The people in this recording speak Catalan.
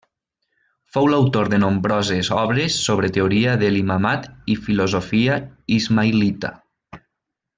Fou l'autor de nombroses obres sobre teoria de l'imamat i filosofia ismaïlita.